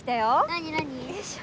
何何？